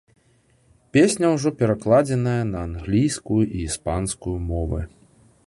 Песня ўжо перакладзеная на англійскую і іспанскую мовы.